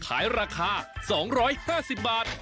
ขายราคา๒๕๐บาท